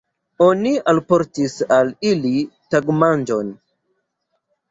Oni alportis al ili tagmanĝon.